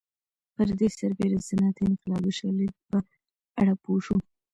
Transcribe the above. پر دې سربېره د صنعتي انقلاب د شالید په اړه پوه شو